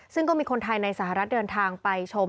ซึ่งก็มีคนไทยในสหรัฐเดินทางไปชม